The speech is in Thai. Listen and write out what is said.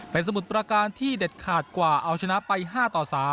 เป็นสมุทรประการที่เด็ดขาดกว่าเอาชนะไป๕ต่อ๓